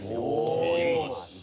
おお。